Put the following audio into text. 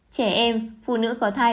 trẻ em phụ nữ khó thai